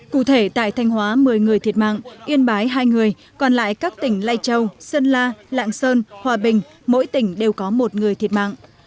cụ thể tại thanh hóa một mươi người thiệt mạng yên bái hai người còn lại các tỉnh lai châu sơn la lạng sơn hòa bình mỗi tỉnh đều có một người thiệt mạng